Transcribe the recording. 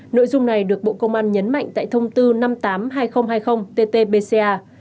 nội dung này được bộ công an nhấn mạnh tại thông tư năm mươi tám hai nghìn hai mươi ttbca